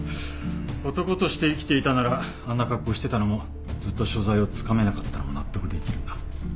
男として生きていたならあんな格好してたのもずっと所在をつかめなかったのも納得できるな。